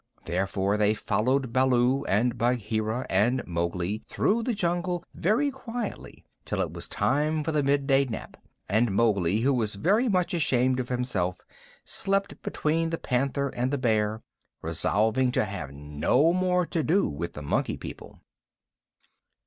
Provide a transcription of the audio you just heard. Therefore they followed Baloo and Bagheera and Mowgli through the jungle very quietly till it was time for the midday nap, and Mowgli, who was very much ashamed of himself, slept between the Panther and the Bear, resolving to have no more to do with the Monkey People.